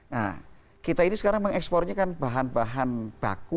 nah kita ini sekarang mengekspornya kan bahan bahan baku